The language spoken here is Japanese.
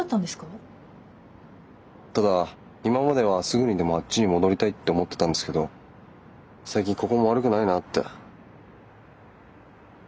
ただ今まではすぐにでもあっちに戻りたいって思ってたんですけど最近ここも悪くないなって。